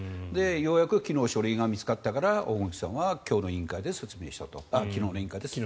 ようやく昨日書類が見つかったから大串さんは昨日の委員会で説明したと。